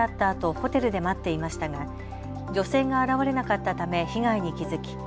あとホテルで待っていましたが女性が現れなかったため被害に気付き